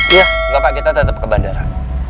iya gak pak kita tetep ke bandara